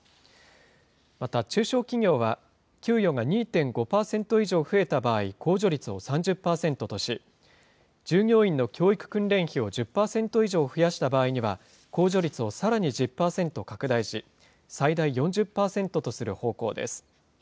また中小企業は、給与が２．５％以上増えた場合、控除率を３０％とし、従業員の教育訓練費を１０％以上増やした場合には、控除率をさらに１０％拡大し、最大４０％とする方向です。